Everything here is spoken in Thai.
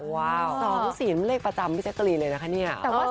๒๔มันเลขประจำพี่แจ๊กกะรีเลยนะคะเนี่ย